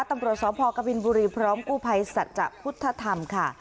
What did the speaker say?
ตำรวจสอบภกะบิลบุรีพร้อมกู้ภัยศาสตร์จุธธรรมค่ะ